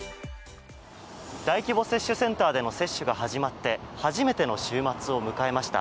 大規模接種センターでも接種が始まって初めての週末を迎えました。